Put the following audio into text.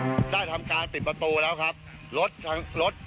มีความรู้สึกว่ามีความรู้สึกว่ามีความรู้สึกว่า